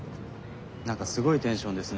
何かすごいテンションですね。